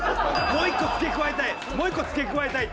もう１個付け加えたい。